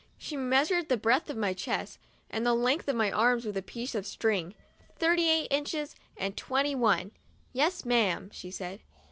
She measured the breadth of my chest and the length of my arms with a piece of string. "Thirty eight inches and twenty one. Yes, ma'am," she said.